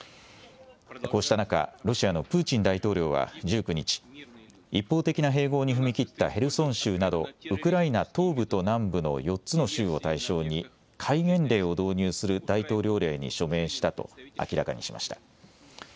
こうした中、ロシアのプーチン大統領は１９日、一方的な併合に踏み切ったヘルソン州などウクライナ東部と南部の４つの州を対象に、戒厳令を導入する大統領令に署名したと明らかにしました。